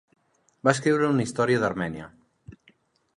Va escriure una història d'Armènia.